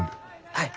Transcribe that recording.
はい。